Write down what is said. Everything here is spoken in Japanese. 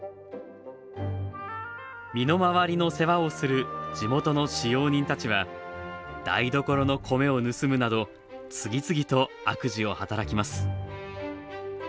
身の回りの世話をする地元の使用人たちは、台所の米を盗むなど、次々と悪事を働きます。